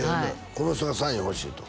この人がサイン欲しいと？